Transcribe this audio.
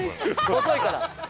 細いから。